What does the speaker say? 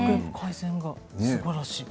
すばらしい。